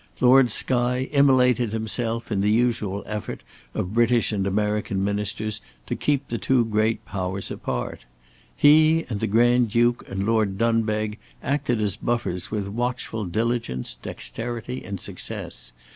Lord Skye immolated himself in the usual effort of British and American Ministers, to keep the two great powers apart. He and the Grand Duke and Lord Dunbeg acted as buffers with watchful diligence, dexterity, and success.